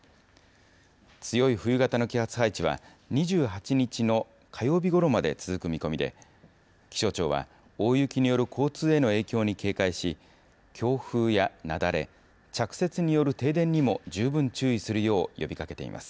強い冬型の気圧配置は２８日の火曜日ごろまで続く見込みで、気象庁は、大雪による交通への影響に警戒し、強風や雪崩、着雪による停電にも十分注意するよう呼びかけています。